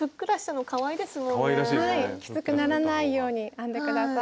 きつくならないように編んで下さい。